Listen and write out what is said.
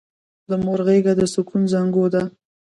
د مور غېږه د سکون زانګو ده!